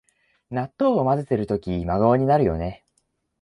納豆をまぜてるとき真顔になるよね